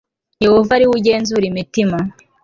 yehova ari we ugenzura imitima